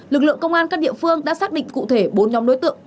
lực lượng công an các địa phương đã xác định cụ thể bốn nhóm đối tượng